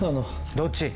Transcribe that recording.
どっち？